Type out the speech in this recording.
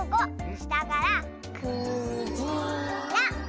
したからく・じ・ら！